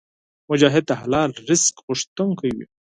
مجاهد د حلال رزق غوښتونکی وي.